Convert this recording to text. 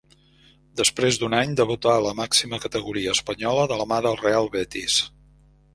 Després d'un any, debuta a la màxima categoria espanyola de la mà del Real Betis.